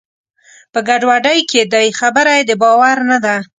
په ګډوډۍ کې دی؛ خبره یې د باور نه ده.